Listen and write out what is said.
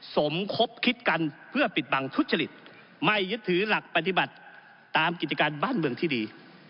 สมคบคิดกันเพื่อปิดบังทุจริตไม่ยึดถือหลักปฏิบัติตามกิจการบ้านเมืองที่ดี